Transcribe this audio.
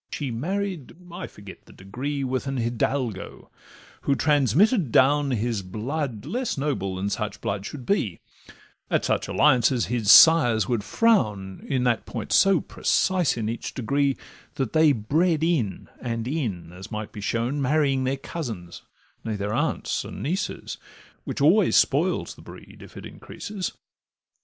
She married (I forget the pedigree) With an Hidalgo, who transmitted down His blood less noble than such blood should be; At such alliances his sires would frown, In that point so precise in each degree That they bred in and in, as might be shown, Marrying their cousins—nay, their aunts, and nieces, Which always spoils the breed, if it increases.